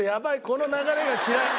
この流れが嫌い！